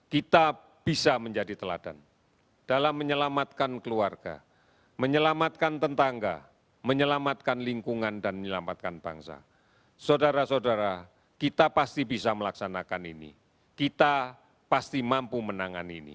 kita bisa menjadi teladan